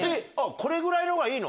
これぐらいのがいいの？